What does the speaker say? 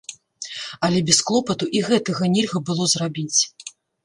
Але без клопату і гэтага нельга было зрабіць.